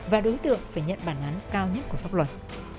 và đối tượng phải nhận bản án cao nhất của pháp luật